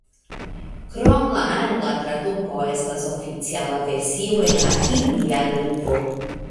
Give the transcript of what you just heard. Krom la angla traduko estas oficiala versio en la hindia lingvo.